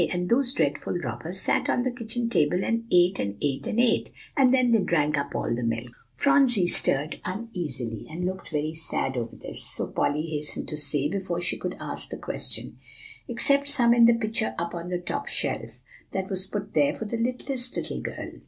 And those dreadful robbers sat on the kitchen table, and ate, and ate, and ate. And then they drank up all the milk." Phronsie stirred uneasily, and looked very sad over this; so Polly hastened to say, before she could ask the question, "except some in the pitcher up on the top shelf, that was put there for the littlest little girl."